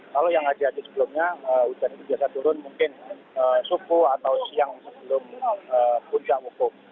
lalu yang haji haji sebelumnya hujan itu biasa turun mungkin subuh atau siang sebelum punca wukuk